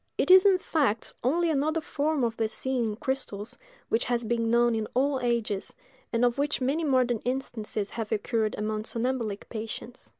It is, in fact, only another form of the seeing in crystals, which has been known in all ages, and of which many modern instances have occurred among somnambulic patients.